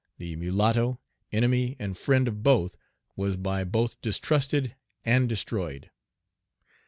The mulatto, enemy and friend Page 71 of both, was by both distrusted and destroyed.